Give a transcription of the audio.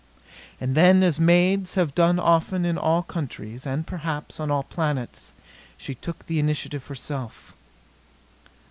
And then, as maids have done often in all countries, and, perhaps, on all planets, she took the initiative herself.